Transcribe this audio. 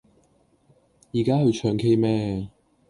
依家去唱 k 咩